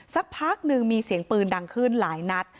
สักพักหนึ่งมีเสียงปืนดังขึ้นหลายนัด